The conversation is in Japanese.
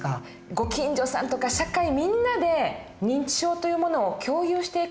ご近所さんとか社会みんなで認知症というものを共有していく事も大事ですね。